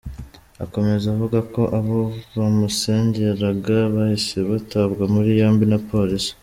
Akomeza avuga ko abo bamusengeraga bahise batabwa muri yombi na Polisi.